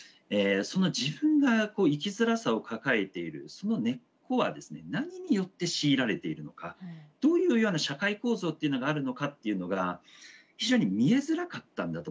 自分が生きづらさを抱えているその根っこはですね何によって強いられているのかどういうような社会構造っていうのがあるのかっていうのが非常に見えづらかったんだと思うんですね。